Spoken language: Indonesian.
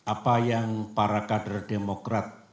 apa yang para kader demokrat